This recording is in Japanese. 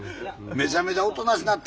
めちゃめちゃおとなしくなった。